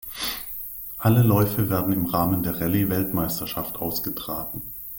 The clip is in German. Alle Läufe werden im Rahmen der Rallye-Weltmeisterschaft ausgetragen.